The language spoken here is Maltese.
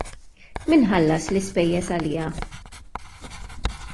Min ħallas l-ispejjeż għaliha?